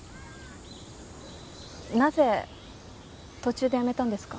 なぜ途中でやめたんですか？